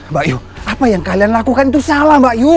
mbak yu apa yang kalian lakukan itu salah mbak yu